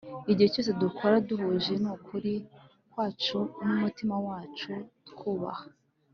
igihe cyose dukora duhuje n'ukuri kwacu n'umutima wacu, twubaha